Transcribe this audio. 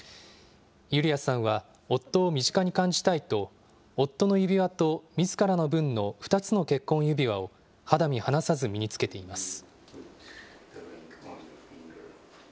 ユリアさんは、夫を身近に感じたいと、夫の指輪とみずからの分の２つの結婚指輪を、肌身離さず身につけています。